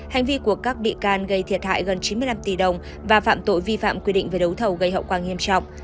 hành vi của các bị can gây thiệt hại gần chín mươi năm tỷ đồng và phạm tội vi phạm quy định về đấu thầu gây hậu quả nghiêm trọng